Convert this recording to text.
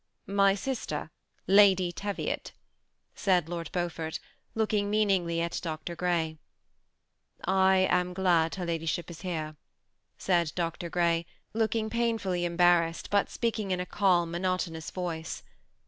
<< Mj sister, Ladj Teviot," said Lord Beaufort, look ing meaningly at Dr. Grey. ^I am glad her ladyship is here," said Dr. Grey, looking painfully embarrassed, but speaking in a calm, monotonous voice.